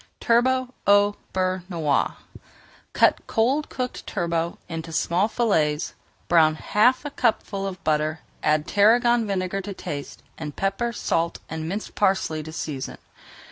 TURBOT AU BEURRE NOIR Cut cold cooked turbot into small fillets. Brown half a cupful of butter, add tarragon vinegar to taste, and pepper, salt, and minced parsley to season.